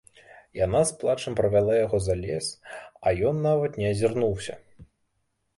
Яна з плачам правяла яго за лес, а ён нават не азірнуўся.